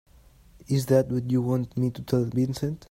Is that what you want me to tell Vincent?